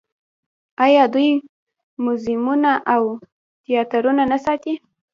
آیا دوی موزیمونه او تیاترونه نه ساتي؟